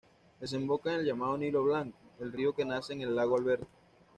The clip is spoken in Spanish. Desemboca en el llamado Nilo Blanco, el río que nace en el lago Alberto.